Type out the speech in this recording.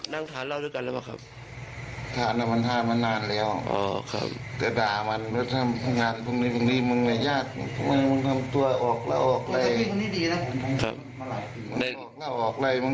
นั่งนั่งทานเหล้าทุกกันแล้วบ่ครับทานทานมานานแล้วอ๋อวิธี